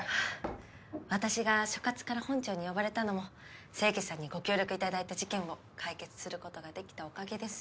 私が所轄から本庁に呼ばれたのも清家さんにご協力頂いた事件を解決する事ができたおかげです。